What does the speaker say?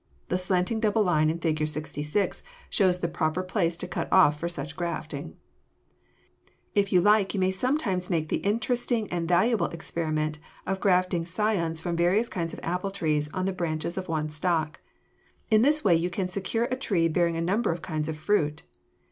The slanting double line in Fig. 66 shows the proper place to cut off for such grafting. [Illustration: FIG. 67. A COMPLETED ROOT GRAFT] If you like you may sometime make the interesting and valuable experiment of grafting scions from various kinds of apple trees on the branches of one stock. In this way you can secure a tree bearing a number of kinds of fruit.